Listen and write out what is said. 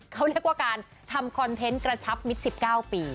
เขาเรียกว่าการทำคอนเทนต์กระชับมิตร๑๙ปี